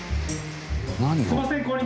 すいません。